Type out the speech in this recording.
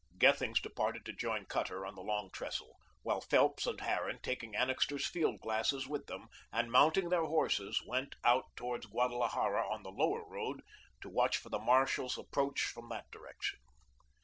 Gethings departed to join Cutter on the Long Trestle, while Phelps and Harran, taking Annixter's field glasses with them, and mounting their horses, went out towards Guadalajara on the Lower Road to watch for the marshal's approach from that direction.